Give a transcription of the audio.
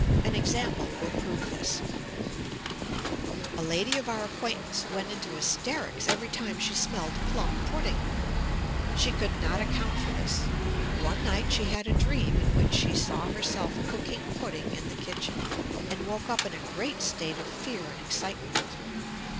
An example will prove this: A lady of our acquaintance went into hysterics every time she smelled plum pudding! She could not account for this. One night she had a dream in which she saw herself cooking pudding in the kitchen, and woke up in a great state of fear and excitement.